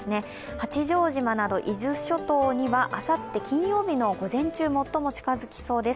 八丈島など伊豆諸島にはあさって金曜日の午前中最も近づきそうです。